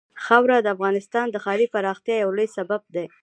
خاوره د افغانستان د ښاري پراختیا یو لوی سبب کېږي.